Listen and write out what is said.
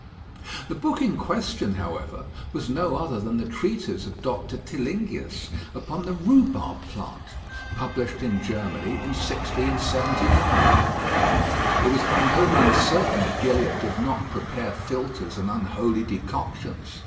The book in question, however, was no other than the treatise of Doctor Tilingius upon the rhubarb plant, published in Germany in 1679. It was by no means certain that Gilliatt did not prepare philters and unholy decoctions.